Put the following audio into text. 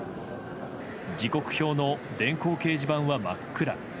時刻表の電光掲示板は真っ暗。